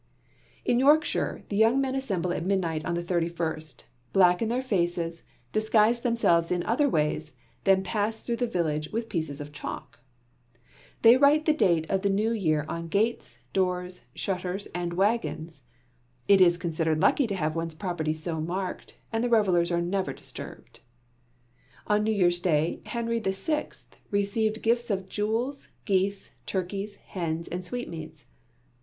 In Yorkshire, the young men assemble at midnight on the thirty first, blacken their faces, disguise themselves in other ways, then pass through the village with pieces of chalk. They write the date of the New Year on gates, doors, shutters, and wagons. It is considered lucky to have one's property so marked and the revellers are never disturbed. On New Year's Day, Henry VI received gifts of jewels, geese, turkeys, hens, and sweetmeats.